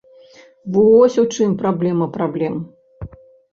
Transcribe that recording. Вось у чым праблема праблем.